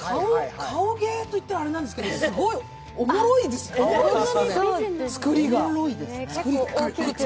顔芸といったらあれなんですけどすごいおもろいです、つくりが。